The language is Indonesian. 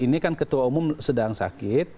ini kan ketua umum sedang sakit